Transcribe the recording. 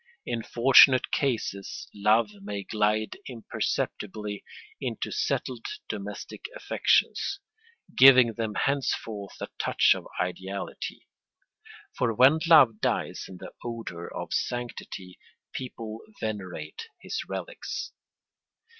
In fortunate cases love may glide imperceptibly into settled domestic affections, giving them henceforth a touch of ideality; for when love dies in the odour of sanctity people venerate his relics.